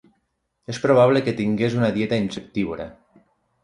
És probable que tingués una dieta insectívora.